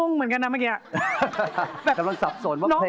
ก็ฟังอย่างเดียว